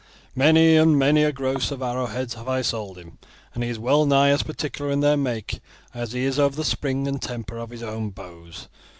Many and many a gross of arrowheads have I sold him, and he is well nigh as particular in their make as he is over the spring and temper of his own bows.